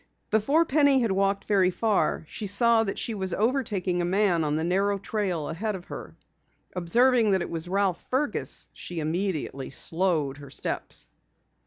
Before Penny had walked very far she saw that she was overtaking a man on the narrow trail ahead of her. Observing that it was Ralph Fergus, she immediately slowed her steps.